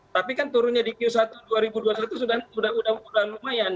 tapi kan turunnya di q satu dua ribu dua puluh satu sudah lumayan